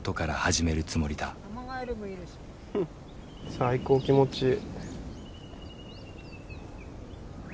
最高気持ちいい。